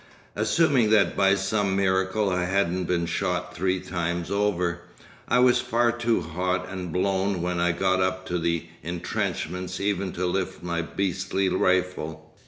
Assuming that by some miracle I hadn't been shot three times over, I was far too hot and blown when I got up to the entrenchments even to lift my beastly rifle.